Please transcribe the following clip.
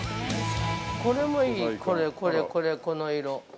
◆これもいい、これこれ、これこの色。